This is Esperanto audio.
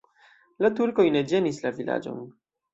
La turkoj ne ĝenis la vilaĝon.